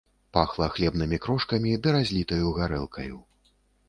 Пахла хлебнымі крошкамі ды разлітаю гарэлкаю.